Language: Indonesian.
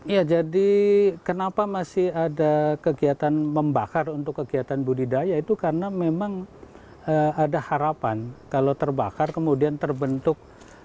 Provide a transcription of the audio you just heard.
ya jadi kenapa masih ada kegiatan membakar untuk kegiatan budidaya itu karena memang ada harapan kalau terbakar kemudian terbentuk